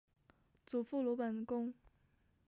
祖父鲁本恭。